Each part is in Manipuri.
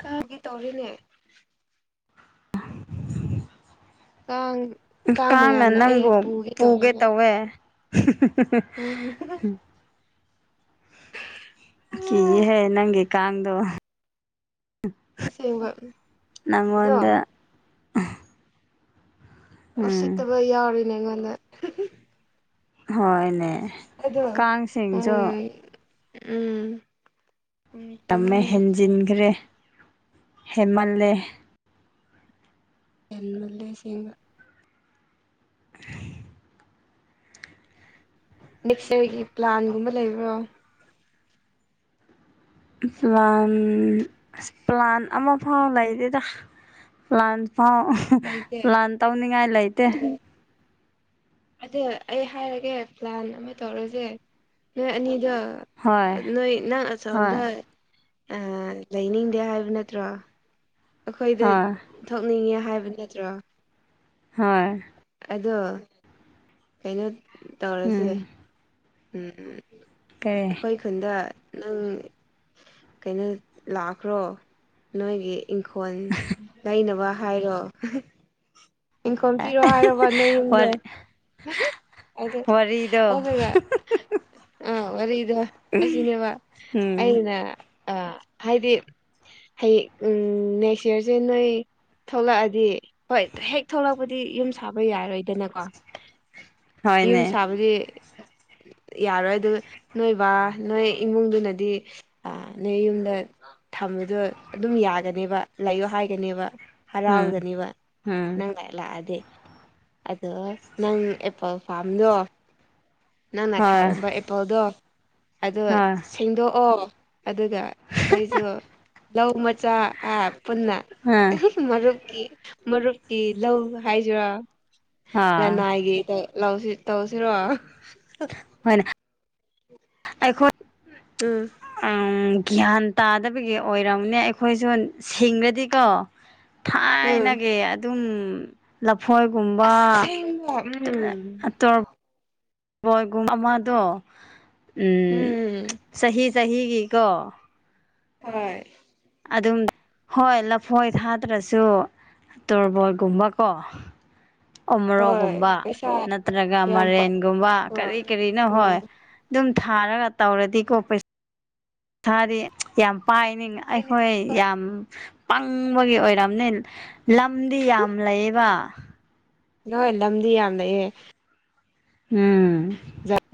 ꯀꯥꯒꯤ ꯇꯧꯔꯤꯅꯦ ꯑ ꯀꯥꯡꯅ ꯅꯪꯕꯨ ꯄꯨꯒꯦ ꯇꯧꯋꯦꯕ ꯇꯧꯋꯦ [unintelligible] ꯎꯝ ꯀꯤꯍꯦ ꯅꯪꯒꯤ ꯀꯥꯡꯗꯣ ꯑꯁꯦꯡꯕ ꯅꯉ ꯑꯗꯣ ꯑꯗ ꯎ ꯎꯝ ꯁꯤꯠꯇꯕ ꯌꯥꯎꯔꯤꯅꯦ ꯑꯩꯉꯣꯟꯗ ꯍꯣꯏꯅꯦ ꯑꯗꯣ ꯀꯥꯡꯁꯤꯡꯁꯨ ꯎꯝ ꯎꯝ ꯎꯝ ꯌꯥꯝꯃꯦ ꯀꯩꯅꯣꯅꯤꯅꯦ ꯍꯦꯟꯖꯤꯟꯈ꯭ꯔꯦ ꯍꯦꯃꯜꯂꯦ ꯌꯥꯝꯂꯁꯌꯦꯒ ꯅꯦꯛꯁ ꯏꯔꯒꯤ ꯄ꯭ꯂꯥꯟꯒꯨꯝꯕ ꯂꯩꯕ꯭ꯔꯣ ꯄ꯭ꯂꯥꯟ ꯑꯁ ꯄ꯭ꯂꯥꯟ ꯑꯃ ꯐꯥꯎ ꯂꯩꯗꯦꯗ ꯂꯥꯟ ꯐꯥꯎ ꯂꯩꯇꯦ ꯂꯥꯟ ꯇꯧꯅꯤꯡꯉꯥꯏ ꯂꯩꯇꯦ ꯑꯗꯨꯗ ꯑꯩ ꯍꯥꯏꯔꯒꯦ ꯄ꯭ꯂꯥꯟ ꯑꯃ ꯇꯧꯔꯁꯦ ꯅꯣꯏ ꯑꯅꯤꯗꯣ ꯍꯣꯏ ꯅꯣꯏ ꯅꯪ ꯍꯣꯏ ꯆꯜꯗ ꯑ ꯂꯩꯅꯤꯡꯗꯦ ꯍꯥꯏꯕ ꯅꯠꯇ꯭ꯔꯣ ꯑꯩꯈꯣꯏꯗ ꯍꯣꯏ ꯊꯣꯛꯅꯤꯡꯉꯦ ꯍꯥꯏꯕ ꯅꯠꯇ꯭ꯔꯣ ꯍꯣꯏ ꯑꯗꯣ ꯀꯩꯅꯣ ꯇꯧꯔꯁꯦ ꯎꯝ ꯎ ꯀꯩ ꯑꯩꯈꯣꯏ ꯈꯨꯟꯗ ꯅꯪ ꯀꯩꯅꯣ ꯂꯥꯛꯈ꯭ꯔꯣ ꯅꯣꯏꯒꯤ ꯏꯪꯈꯣꯜ ꯂꯩꯅꯕ ꯍꯥꯏꯔꯣ ꯏꯪꯈꯣꯜ ꯄꯤꯔꯣ ꯑꯣꯏꯔ ꯍꯥꯏꯔꯣꯕ ꯅꯣꯏ ꯌꯨꯝꯗꯣ ꯑꯗꯨ ꯋꯥꯔꯤꯗ ꯑꯗꯨꯒ ꯑꯥ ꯋꯥꯔꯤꯗꯣ ꯑꯁꯤꯅꯦꯕ ꯎꯝ ꯑꯩꯅ ꯑ ꯍꯥꯏꯗꯤ ꯍꯌꯦ ꯎꯝ ꯅꯦꯛꯁ ꯌꯌꯥꯔꯁꯦ ꯅꯣꯏ ꯊꯣꯛꯂꯛꯑꯗꯤ ꯍꯣꯏ ꯍꯦꯛ ꯊꯣꯛꯂꯛꯄꯗꯤ ꯌꯨꯝ ꯁꯥꯕ ꯌꯥꯔꯣꯏꯗꯅꯀꯣ ꯌꯨꯝ ꯍꯣꯏꯅꯦ ꯁꯥꯕꯗꯤ [unintelligible] ꯌꯥꯔꯣꯏ ꯑꯗꯨ ꯅꯣꯏ ꯕꯥ ꯅꯣꯏ ꯏꯃꯨꯡꯗꯨꯅꯗꯤ ꯅꯣꯏ ꯌꯨꯝꯗ ꯗ ꯑꯗꯨꯝ ꯌꯥꯒꯅꯦꯕ ꯂꯥꯛꯌꯑꯣ ꯍꯥꯏꯒꯅꯦꯕ ꯎꯝ ꯍꯔꯥꯎꯗꯅꯦꯕ ꯎꯝ ꯅꯪ ꯂꯥꯏ ꯂꯥꯛꯑꯗꯤ ꯑꯗꯣ ꯅꯪ ꯐꯥꯝꯗꯣ ꯅꯪꯅ ꯍꯣꯏ ꯊꯥꯔꯝꯕ ꯑꯦꯄꯣꯜꯗꯣ ꯑꯗꯣ ꯍꯣꯏ ꯁꯦꯡꯗꯣꯛꯑꯣ ꯑꯗꯨꯒ ꯑꯩꯈꯣꯏꯁꯨ ꯂꯧ ꯄꯨꯟꯅ ꯑꯥ ꯃꯔꯨꯞꯀꯤ ꯃꯔꯨꯞꯀꯤ ꯂꯧ ꯍꯥꯏꯗꯨꯔꯥ ꯑꯥ ꯂꯅꯥꯏꯒꯤ ꯂꯧꯁꯤ ꯇꯧꯁꯤꯔꯣ ꯍꯅ ꯑꯩꯈꯣꯏ ꯎꯝ ꯎꯝ ꯒ꯭ꯌꯥꯟ ꯇꯥꯗꯕꯒꯤ ꯑꯣꯏꯔꯝꯅꯦ ꯑꯩꯈꯣꯏꯁꯨ ꯁꯤꯡꯔꯗꯤꯀꯣ ꯎꯝ ꯊꯥꯏꯅꯒꯤ ꯑꯗꯨꯝ ꯏꯐꯣꯏꯒꯨꯝꯕ ꯑꯁꯦꯡꯕ ꯎꯝ ꯑꯇ ꯣꯏꯒꯨꯝ ꯃꯃꯥꯗꯣ ꯎ ꯎꯝ ꯆꯍꯤ ꯆꯍꯤꯒꯤꯀꯣ ꯍꯣꯏ ꯑꯗꯨꯝ ꯍꯣꯏ ꯂꯐꯣꯏ ꯊꯥꯗ꯭ꯔꯁꯨ ꯇꯣꯔꯕꯣꯏꯒꯨꯝꯕꯀꯣ ꯑꯃꯔꯣꯒꯨꯝꯕ ꯍꯣꯏ ꯄꯩꯁꯥ ꯅꯠꯇ꯭ꯔꯒ ꯌꯥꯝ ꯄꯥ ꯃꯔꯦꯟꯒꯨꯝꯕ ꯀꯔꯤ ꯀꯔꯤꯅꯣ ꯍꯣꯏ ꯑꯗꯨꯝ ꯊꯥꯔꯒ ꯇꯧꯔꯗꯤꯀꯣ ꯄꯩꯁꯥ ꯁꯥꯗꯤ ꯌꯥꯝ ꯄꯥꯏꯅꯤꯡ ꯍꯣꯏꯅꯦ ꯑꯩꯈꯣꯏ ꯍꯣꯏ ꯌꯥꯝ ꯄꯪꯕꯒꯤ ꯑꯣꯏꯔꯝꯅꯤ ꯂꯝꯗꯤ ꯌꯥꯝ ꯂꯩꯌꯦꯕ ꯍꯣꯏ ꯂꯝꯗꯤ ꯌꯥꯝ ꯂꯩꯍꯦ ꯎꯝ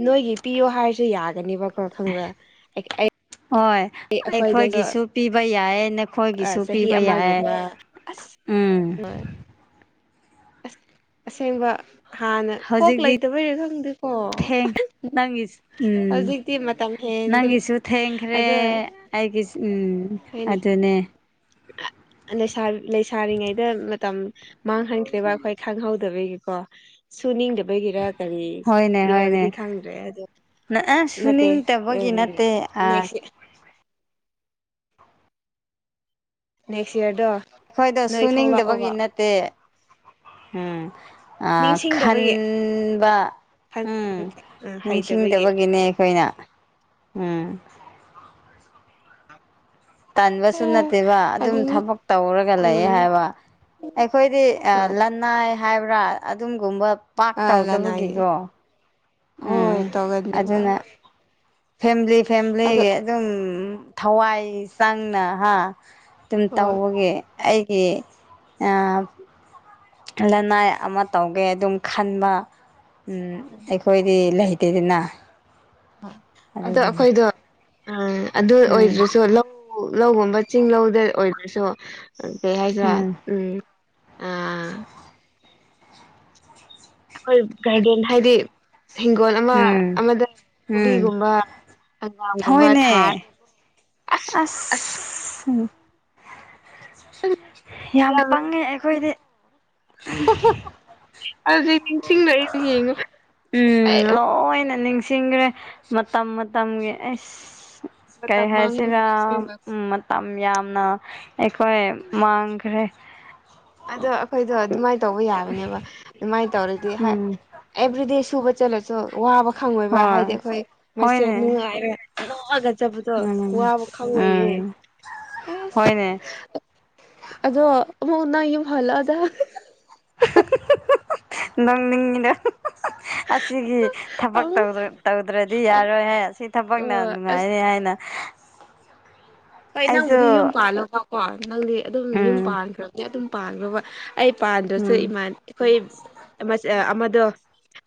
ꯅꯣꯏꯒꯤ ꯄꯤꯌꯣ ꯍꯥꯏꯔꯁꯨ ꯌꯥꯒꯅꯦꯕ ꯍꯣꯏ ꯑꯩꯈꯣꯏꯗꯁꯨ ꯑꯩꯈꯣꯏꯒꯤꯁꯨ ꯄꯤꯕ ꯌꯥꯏꯅ ꯑꯩꯈꯣꯏꯒꯤꯁꯨ ꯆꯍꯤ ꯄꯤꯕ ꯌꯥꯏ ꯑꯃꯒꯨꯝꯕ ꯑꯁ ꯎꯝ ꯑꯁ ꯑꯁꯦꯡꯕ ꯍꯥꯟꯅ ꯀꯣꯛ ꯍꯧꯖꯤꯛꯇꯤ ꯂꯩꯇꯕꯩꯔꯥ ꯈꯪꯗꯦꯀꯣ ꯊꯦꯡ ꯅꯪꯒꯤ ꯎꯝ ꯍꯧꯖꯤꯛꯇꯤ ꯃꯇꯝ ꯍꯦꯟꯈ꯭ꯔꯦ ꯅꯪꯒꯤꯁꯨ ꯊꯦꯡꯈ꯭ꯔꯦ ꯑꯗꯣ ꯑꯩꯒꯤ ꯎꯝ ꯍꯣꯏꯅꯦ ꯑꯗꯨꯅꯦ ꯎ ꯂꯩꯁꯥꯔꯤꯉꯩꯗ ꯃꯇꯝ ꯃꯥꯡꯍꯟꯈ꯭ꯔꯦꯔꯤꯕ ꯑꯩꯈꯣꯏ ꯈꯪꯍꯧꯗꯕꯒꯤꯀꯣ ꯁꯨꯅꯤꯡꯗꯕꯒꯤꯔ ꯀꯔꯤ ꯍꯣꯏꯅꯦ ꯍꯣꯏꯅꯦ ꯏꯔꯒꯗꯤ ꯈꯪꯗ꯭ꯔꯦ ꯑꯗꯣ ꯅ ꯑ ꯃꯠꯇꯦ ꯎ ꯁꯨꯅꯤꯡꯗꯕꯒꯤ ꯅꯠꯇꯦ ꯑ ꯅꯦꯛꯁ ꯅꯦꯛꯁ ꯏꯔꯗꯣ ꯑꯩꯈꯣꯏꯗꯣ ꯁꯨꯅꯤꯡꯗꯕꯒꯤ ꯅꯠꯇꯦ ꯎꯝ ꯑ ꯅꯤꯡꯁꯤꯡꯗꯕꯒꯤ ꯈꯟꯕ ꯎꯝ ꯍꯩꯇꯕꯒꯤ ꯅꯤꯡꯁꯤꯡꯗꯕꯒꯤꯅꯦ ꯑꯩꯈꯣꯏꯅ ꯎꯝ ꯑ ꯇꯟꯕꯁꯨ ꯅꯠꯇꯦꯕ ꯑꯗꯨꯝ ꯑꯗꯨꯅ ꯊꯕꯛ ꯇꯧꯔꯒ ꯂꯩꯦ ꯎꯝ ꯍꯥꯏꯕ ꯑꯩꯈꯣꯏꯗꯤ ꯍꯣꯏ ꯂꯅꯥꯏ ꯍꯥꯏꯕ꯭ꯔꯥ ꯑꯗꯨꯒꯨꯝꯕ ꯄꯥꯛ ꯑꯥ ꯂꯅꯥꯏꯒꯤ ꯇꯧꯗꯕꯒꯤꯀꯣ ꯎꯝ ꯍꯣꯏ ꯇꯧꯒꯅꯦꯕ ꯑꯗꯨꯅ ꯐꯦꯝꯂꯤ ꯑꯗꯣ ꯐꯦꯝꯂꯤꯒꯤ ꯑꯗꯨꯝ ꯊꯋꯥꯏ ꯆꯪꯅ ꯍꯥ꯫ ꯑꯗꯨꯝ ꯍꯣꯏ ꯇꯧꯕꯒꯤ ꯑꯩꯒꯤ ꯑꯥ ꯂꯅꯥꯏ ꯑꯃ ꯇꯧꯒꯦ ꯑꯗꯨꯝ ꯈꯟꯕ ꯝ ꯑꯩꯈꯣꯏꯗꯤ ꯂꯩ ꯇꯦꯗꯅꯥ ꯄꯥꯛ ꯑꯗꯣ ꯑꯩꯈꯣꯏꯗꯣ ꯎꯝ ꯑꯗꯨ ꯎꯝ ꯑꯣꯏꯗ꯭ꯔꯁꯨ ꯂꯧ ꯎ ꯂꯧꯒꯨꯝꯕ ꯆꯤꯡ ꯂꯧꯗ ꯑꯣꯏꯗ꯭ꯔꯁꯨ ꯀꯩ ꯍꯥꯏꯁꯤꯔꯥ ꯎꯝ ꯑꯥ ꯑꯈꯣꯏ ꯒꯥꯔꯗꯦꯟ ꯍꯥꯏꯗꯤ ꯍꯤꯡꯒꯣꯜ ꯑꯃ ꯎꯝ ꯑꯃꯗ ꯎꯝ ꯀꯣꯕꯤꯒꯨꯝꯕ ꯍꯪꯒꯥꯝꯒꯨꯝꯕ ꯊꯥꯔ ꯍꯣꯏꯅꯦ ꯑꯁ ꯌꯥꯝ ꯄꯪꯉꯦ ꯑꯩꯈꯣꯏꯗꯤ꯫ ꯑꯗꯨ ꯅꯤꯡꯁꯤꯡꯂꯛꯏ ꯑꯩ ꯑꯗꯨ ꯌꯦꯡꯉꯣ꯫ ꯎꯝ ꯂꯣꯏꯅ ꯅꯤꯡꯁꯤꯡꯈ꯭ꯔꯦ ꯃꯇꯝ ꯃꯇꯝꯒꯤ ꯑꯁ꯫ ꯀꯩ ꯃꯇꯝ ꯃꯥꯡꯍꯟꯕ ꯍꯥꯏꯁꯤꯔ ꯑꯁꯦꯡꯕ ꯃꯇꯝ ꯌꯥꯝ ꯅ ꯑꯩꯈꯣꯏ ꯃꯥꯡꯈ꯭ꯔꯦ ꯑꯗꯣ ꯑꯩꯈꯣꯏꯗꯣ ꯑꯗꯨꯃꯥꯏ ꯇꯧꯕ ꯌꯥꯕꯅꯦꯕ ꯑꯗꯨꯃꯥꯏ ꯇꯧꯔꯗꯤ ꯍꯥꯏ ꯎꯝ ꯑꯦꯕ꯭ꯔꯤꯗꯦ ꯁꯨꯕ ꯆꯠꯂꯁꯨ ꯋꯥꯕ ꯈꯪꯉꯣꯏꯕ ꯍꯥꯏꯗꯤ ꯍꯣꯏ ꯑꯩꯈꯣꯏ ꯃꯁꯦ ꯍꯣꯏꯅꯦ ꯅꯨꯡꯉꯥꯏꯔ ꯅꫭꯛꯑꯒ ꯆꯠꯕꯗꯣ ꯎꯝ ꯋꯥꯕ ꯈꯪꯉꯣꯏꯌꯦ꯫ ꯎꯝ ꯑꯁ ꯍꫭꯏꯅꯦ꯫ ꯑꯗꯣ ꯑꯃꯨꯛ ꯅꯪ ꯌꯨꯝ ꯍꯜꯂꯛꯑꯗ꯫ ꯅꫭꯛꯅꯤꯡꯏꯗ ꯑꯁꯤꯒꯤ ꯊꯕꯛ ꯑꯃꯨꯛ ꯇꯧꯗ꯭ꯔ ꯇꯧꯗ꯭ꯔꯗꯤ ꯌꯥꯔꯣꯏ ꯍꯦ ꯑꯁꯤ ꯊꯕꯛꯅ ꯑꯣ ꯑꯁ ꯅꯨꯡꯉꯥꯏꯅꯤ ꯍꯥꯏꯅ ꯍꯣꯏ ꯅꯪꯕꯨꯗꯤ ꯌꯨꯝ ꯑꯩꯁꯨ ꯄꯥꯜꯂꯣꯕꯀꯣ꯫ ꯅꯪꯗꯤ ꯑꯗꯨꯝ ꯌꯨꯝ ꯎꯝ ꯄꯥꯟꯈ꯭ꯔꯕꯅꯦ ꯑꯗꯨꯝ ꯄꯥꯟꯈ꯭ꯔꫭꯕ ꯑꯩ ꯄꯥꯟꯗ꯭ꯔꯁꯨ ꯎꯝ ꯏꯃꯥꯟ ꯑꯩꯈꯣꯏ ꯑꯃꯁ ꯑꯥ ꯑꯃ ꯗꯣ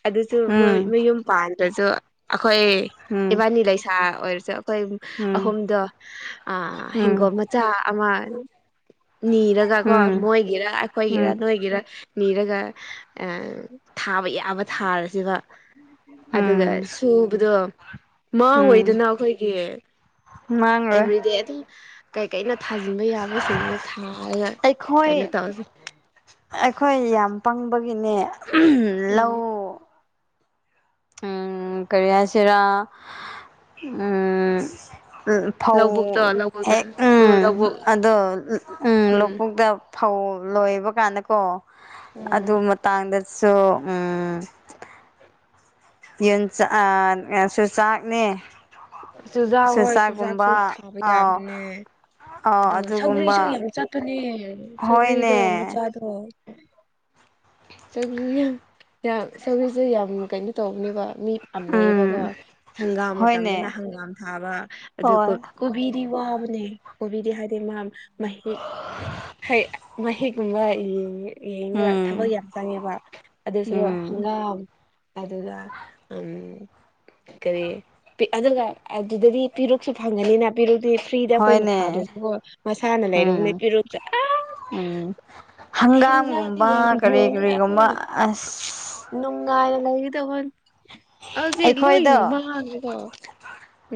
ꯑꯗꯨꯁꯨ ꯎꯝ ꯃꯌꯨꯝ ꯄꯥꯟꯗꯁꯨ ꯑꯩꯈꯣꯏ ꯎꯝ ꯏꯕꯥꯅꯤ ꯂꯩꯁꯥ ꯑꯣꯏꯔꯁꯦ ꯑꯈꯣꯏ ꯎꯝ ꯑꯍꯨꯝꯗꯣ ꯑꯥ ꯍꯤꯡꯒꯣꯜ ꯎꯝ ꯃꯆꯥ ꯑꯃ ꯅꯤꯔꯒ ꯀꯣ ꯎꯝ ꯃꯣꯏꯒꯤꯔ ꯑꯩꯈꯣꯏꯒꯤꯔ ꯎꯝ ꯅꯣꯏꯒꯤꯔ ꯅꯤꯔꯒ ꯊꯥꯕ ꯌꯥꯕ ꯊꯥꯔꯁꯤꯕ꯫ ꯑꯗꯨꯒ ꯎꯝ ꯁꯨꯕꯗꫭ ꯃꯃꯥꯡ ꯎꯝ ꯑꯣꯏꯗꯨꯅ ꯑꯩꯈꯣꯏꯒꯤ ꯃꯥꯡꯔꯣꯏ ꯑꯦꯚ꯭ꯔꯤ ꯗꯦ ꯑꯗꯨꯝ ꯀꯩꯀꯩꯅꫭ ꯊꯥꯖꯤꯟꯕ ꯌꯥꯕꯁꯤꯡꯅ ꯊꯥꯔꯒ ꯑꯩꯈꯣꯏ ꯀꯩꯅꯣ ꯇꯧꯁꯦ꯫ ꯑꯩꯈꯣꯏ ꯌꯥꯝ ꯄꯪꯕꯒꯤꯅꯦ ꯂꯧ ꯎꯝ ꯀꯔꯤ ꯍꯥꯍꯁꯤꯔꯥ ꯎꯝ ꯐꯧ ꯂꯧꯕꯨꯛꯇꯣ ꯂꯧꯕꯨꯛꯇ ꯍꯦꯛ ꯎꯝ ꯂꯧꯕꯨꯛ ꯑꯗꯣ ꯎꯝ ꯂꯧꯕꯨꯛꯇ ꯐꯧ ꯂꯣꯏꯕ ꯀꯥꯟꯗꯀꯣ ꯑꯗꯨ ꯎꯝ ꯃꯇꯥꯡꯗ ꯁꯨ ꯎꯝ ꯌꯦꯟ ꯆꯥꯛ ꯑꯁꯨ ꯆꯥꯛꯅꯦ꯫ ꯆꯨꯖꯥꯛ ꯑꯣꯏꯔꯁꯨ ꯆꯨꯖꯥꯛ ꯁꯨ ꯊꯥꯕ ꯑꯥꯎ ꯌꯥꯕꯅꯦ꯫ ꯑꯥꯎ ꯑꯗꯣ ꯁꯧꯒ꯭ꯔꯤꯁꯨ ꯑꯗꯨꯒꯨꯝꯕ ꯌꯥꯝ ꯆꯠꯄꯅꯦ ꯁꯒ꯭ꯔꯤꯗꯣ ꯍꯣꯏꯅꯦ ꯃꯆꯥꯗꯣ꯫ ꯆꯧꯒ꯭ꯔꯤ ꯌꯥꯝ ꯆꯧꯒꯔꯤꯁꯦ ꯌꯥꯝ ꯀꯩꯅꯣ ꯇꯧꯕꯅꯦꯕ꯫ ꯃꯤ ꯄꯥꯝꯅꯩꯌꯦꯕꯀꯣ ꯎꯝ ꯍꯪꯒꯥꯝ ꯃꯇꯝꯗꯨꯅ ꯍꯣꯏꯅꯦ ꯍꯪꯒꯥꯝ ꯊꯥꯕ ꯑꯗꯨꯒ ꯍꯣꯏ ꯀꯣꯕꯤ ꯗꯤ ꯋꯥꯕꯅꯦ ꯀꫭꯕꯤꯗꯤ ꯍꯥꯏꯗꯤ ꯃꯥ ꯃꯍꯤꯛ ꯍꯩ ꯃꯍꯤꯛ ꯀꯨꯝꯕ ꯌꯦꯡꯏ꯫ ꯌꯦꯡꯔ ꯊꯕꯛ ꯎꯝ ꯌꯥꯝ ꯆꯪꯉꯦꯕ ꯑꯗꯨꯁꯔꯨꯛ ꯎꯝ ꯍꯪꯒꯥꯝ ꯑꯗꯨꯒ ꯎꯝ ꯀꯔꯤ ꯄꯤꯛ ꯑꯗꯨꯒ ꯑꯗꯨꯗꯗꯤ ꯄꯤꯔꯨꯛꯁꯨ ꯐꯪꯉꯅꯤꯅ ꯄꯔꯨꯛꯇꯤ ꯐ꯭ꯔꯤꯗ ꯑꯩꯈꯣꯏꯅ ꯍꯣꯏꯅꯦ ꯊꯥꯗ꯭ꯔꯁꯨꯀꯣ ꯃꯁꯥꯅ ꯂꯩꯔꯨꯕꯅꯦ ꯎꯝ ꯄꯤꯔꯨꯛꯁꯦ ꯑ꯫ ꯎꯝ ꯍꯦꯟꯖꯥꯡꯗꯤ ꯍꯪꯒꯥꯝꯒꯨꯝꯕ ꯌꯥꯝ ꯀꯔꯤ ꯌꯣꯜꯂꯦ ꯀꯔꯤꯒꯨꯝꯕ ꯑꯁ ꯀꯥꯏꯅ ꯂꯩꯒꯗꯕꯟ ꯍꯧꯖꯤꯛ ꯂꯣꯏꯅ ꯑꯩꯈꯣꯏꯗꯣ ꯃꯥꯡꯈ꯭ꯔꯦꯀꯣ꯫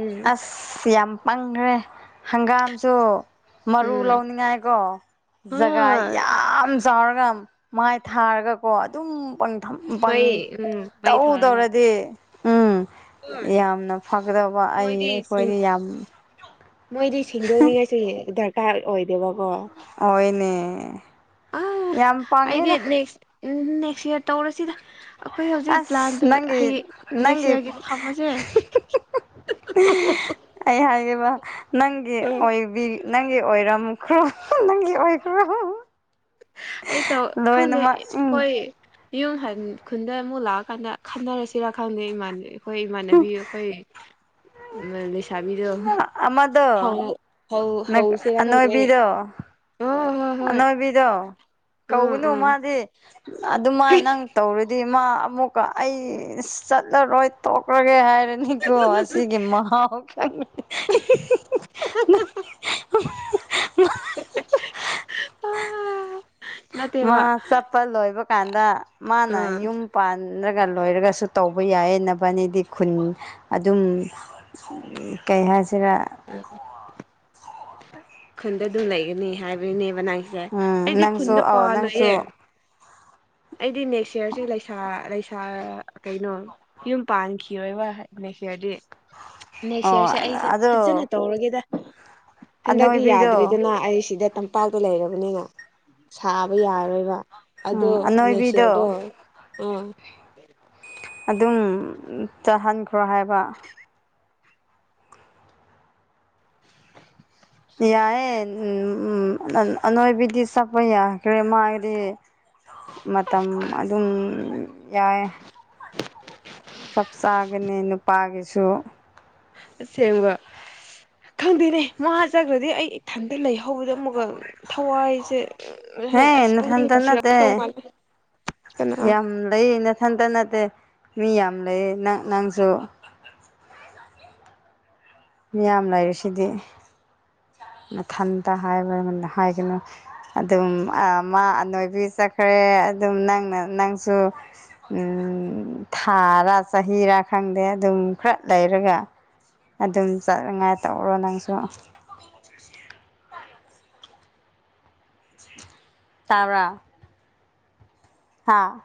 ꯎꯝ ꯑꯁ ꯌꯥꯝ ꯄꯪꯈ꯭ꯔꯦ ꯍꯪꯒꯥꯝꯁꯨ ꯃꯔꯨ ꯎꯝ ꯂꯧꯅꯤꯡꯉꯥꯏ ꯀꯣ ꯖꯒꯥ ꯍꯣꯏ ꯌꯥꯝ ꯆꯥꯎꯔꯒ ꯃꯥꯏ ꯊꯥꯔꯒꯀꯣ ꯑꯗꯨꯝ ꯄ ꯃꯩ ꯎꯝ ꯃꯩ ꯇꯧ ꯊꯥꯔꯒ ꯇꯧꯔꯗꯤ ꯎꯝ ꯍꯣꯏ ꯌꯥꯝꯅ ꯐꯒꯗꯕ ꯑꯩ ꯃꯣꯏꯗꯤ ꯑꯩꯈꯣꯏꯗꯤ ꯌꯥꯝ ꯁꯤꯡꯗꯣꯛꯅꯤꯡꯉꯥꯏꯁꯤ ꯗꯔꯀꯥꯔ ꯑꯣꯏ ꯦꯕꯕ ꯑꯣꯏꯅꯦ ꯑ ꯌꯥꯝ ꯑꯩꯗꯤ ꯄꯥꯡꯉꯦꯗ ꯅꯦꯛꯁ ꯅꯦꯛꯁ ꯌꯌꯥꯔ ꯇꯧꯔꯁꯤꯗ ꯑꯩꯈꯣꯏ ꯍꯧꯖꯤꯛ ꯄ꯭ꯂꯥꯟ ꯑꯁ ꯇꯧꯔ ꯅꯪꯒꯤ ꯍꯌꯦꯡ ꯅꯦꯛꯁ ꯅꯪꯒꯤ ꯏꯌꯥꯔꯒꯤ ꯊꯝꯃꯁꯦ ꯑꯩ ꯍꯥꯏꯈꯤꯕ ꯅꯪꯒꯤ ꯑꯣꯏꯕꯤ ꯅꯪꯒꯤ ꯑꯣꯏꯔꯝꯈ꯭ꯔꯣ ꯅꯪꯒꯤ ꯑꯣꯏꯈ꯭ꯔꯣ ꯑꯩ ꯇ ꯈꯥꯎꯅꯦ ꯂꯣꯏꯅꯃꯛ ꯎꯝ ꯍꯣꯏ ꯌꯨꯝ ꯈꯨꯟꯗ ꯑꯃꯨꯛ ꯂꯥꯛꯑꯀꯥꯟꯗ ꯈꯟꯅꯔꯁꯤꯔꯥ ꯈꯪꯗꯦ ꯏꯃꯥꯟꯅ ꯑꯩꯈꯣꯏ ꯏꯃꯥꯟꯅꯕꯤ ꯑꯩꯈꯣꯏ ꯆꯕꯤꯗꯣ ꯑꯃꯗꯣ ꯍꯧ ꯍꯧꯁꯦꯔꯥ ꯈꯪꯗꯦ ꯑꯅꯣꯏꯕꯤꯗꯣ ꯑꯣ ꯍꯣꯏ ꯍꯣꯏ ꯑꯅꯣꯏꯕꯤꯗꯣ ꯎꯝ ꯀꯧꯅꯨ ꯎꯝ ꯃꯥꯗꯤ ꯑꯗꯨꯃ ꯅꯪ ꯇꯧꯔꯗꯤ ꯃꯥ ꯑꯃꯨꯛꯀ ꯑꯩ ꯆꯠꯂꯔꯣꯏ ꯇꯣꯛꯈ꯭ꯔꯒꯦ ꯍꯥꯏꯔ ꯔꯅꯤꯀꯣ ꯑꯁꯤꯒꯤ ꯃꯍꯥꯎ ꯈꯪ ꯃꯥ ꯅꯠꯇꯦꯕ ꯆꯠꯄ ꯂꯣꯏꯕ ꯀꯥꯟꯗ ꯃꯥꯅ ꯑꯥ ꯌꯨꯝ ꯄꯥꯟ ꯅ꯭ꯔꯒ ꯂꯣꯏꯔꯒꯁꯨ ꯇꯧꯕ ꯌꯥꯌꯦꯕꯅꯤꯗꯤ ꯈꯨꯟ ꯑꯗꯨꯝ ꯀꯩ ꯍꯥꯏꯁꯦ ꯆꯔꯥ ꯈꯨꯟꯗ ꯑꯗꯨꯝ ꯂꯩꯒꯅꯤ ꯍꯥꯏꯕꯅꯤꯅꯦꯕ ꯅꯪꯁꯦ ꯎꯝ ꯑꯩꯗꯤ ꯅꯪꯁꯨ ꯈꯨꯟꯗ ꯄꯥ ꯑꯧ ꯅꯪꯁꯨ ꯂꯣꯏꯌꯦꯦ ꯑꯩꯗꯤ ꯅꯦꯛꯁ ꯏꯌꯥꯔꯁꯦꯁꯥ ꯂꯩꯁꯥ ꯀꯩꯅꯣ ꯌꯨꯝ ꯄꯥꯟꯈꯤꯣꯏꯕ ꯅꯦꯛꯁ ꯏꯌꯥꯔꯗꯤ ꯅꯦꯛꯁ ꯑꯣ ꯏꯌꯥꯔꯁꯦ ꯑꯩꯁꯦ ꯐꯖꯅ ꯑꯗꯣ ꯇꯧꯔꯒꯦꯗ ꯍꯛ ꯌꯥꯗ꯭ꯔꯔꯤ ꯑꯅꯣꯏꯕꯤꯗꯣ ꯑꯗꯨꯅꯁꯤꯗ ꯇꯝꯄꯥꯛꯇ ꯂꯩꯔꯕꯅꯤꯅ ꯁꯥꯕ ꯌꯥꯔꯣꯏꯕ ꯑꯗꯣ ꯎꯝ ꯅꯁꯦꯗꯣ ꯑꯅꯣꯏꯕꯤꯗꯣ ꯑꯥ ꯑꯗꯨꯝ ꯆꯥꯍꯟꯈ꯭ꯔꯣ ꯍꯥꯏꯕ ꯌꯥꯑꯦꯝ ꯎꯝ ꯑꯅꯣꯏꯕꯤꯗꯤ ꯆꯄ ꯌꯥ ꯀꯔꯤꯃꯔꯤ ꯃꯇꯝ ꯑꯗꯨꯝ ꯌꯥꯏ ꯆꯞꯆꯥꯒꯤꯅꯤ ꯅꯨꯄꯥꯒꯤꯁꯨ ꯑꯁꯦꯡꯕ ꯈꯪꯗꯦꯅꯦ ꯃꯥꯖꯈ꯭ꯔꯗꯤ ꯑꯩ ꯏꯊꯟꯇ ꯂꯩ ꯍꯧꯕꯗ ꯑꯃꯨꯛꯀ ꯊꯋꯥꯏꯁꯦ ꯍꯦ ꯑꯁ ꯅꯊꯟꯇ ꯅꯠꯇꯦ ꯄꯨꯅꯤꯡꯁꯤꯔꯛꯇꯧ ꯃꯥꯜꯂꯦ ꯀꯅꯥ ꯌꯥꯝ ꯂꯩꯅꯦ ꯏꯊꯟꯇ ꯅꯠꯇꯦ ꯃꯤ ꯌꯥꯝ ꯂꯩ ꯅꯪ ꯅꯪꯁꯨ ꯃꯤꯌꯥꯝ ꯂꯩꯔꯤꯨ ꯁꯤꯗꯤ ꯃꯊꯟꯇ ꯍꯥꯏꯕ ꯍꯥꯏꯒꯅꯨ ꯑꯗꯨꯝ ꯃꯥ ꯑꯅꯣꯏꯕꯤ ꯆꯠꯈ꯭ꯔꯦ ꯑꯗꯨꯝ ꯅꯪꯅ ꯅꯪꯁꯨ ꯎꯝ ꯊꯥꯔꯥ ꯆꯍꯤꯔꯥ ꯈꯪꯗꯦ ꯑꯗꯨꯝ ꯈꯔ ꯂꯩꯔꯒ ꯑꯗꯨꯝ ꯆꯠꯅꯉꯥꯏ ꯇꯧꯔꯣ ꯅꯪꯁꯨ ꯇꯔꯥ ꯍꯥꯥ